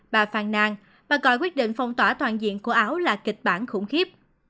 bà phàn nàn bà gọi quyết định phong tỏa toàn diện của ảo là kịch bản khủng khiếp